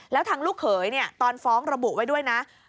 แล้วทางลูกเขยตอนฟ้องระบุไว้ด้วยนะ